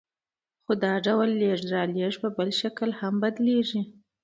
خو دا ډول لېږد رالېږد په بل شکل هم بدلېږي